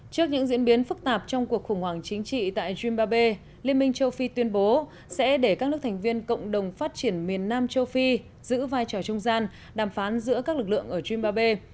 trước những diễn biến phức tạp trong cuộc khủng hoảng chính trị tại zimbabwe liên minh châu phi tuyên bố sẽ để các nước thành viên cộng đồng phát triển miền nam châu phi giữ vai trò trung gian đàm phán giữa các lực lượng ở trimbabwe